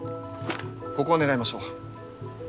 ここを狙いましょう。